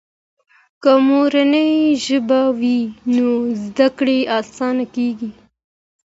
که مورنۍ ژبه وي نو زده کړه آسانه کیږي.